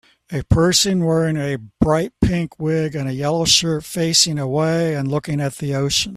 A person wearing a bright pink wig and a yellow shirt facing away and looking at the ocean